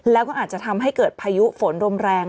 แล้วก็อาจจะทำให้เกิดพายุฝนลมแรง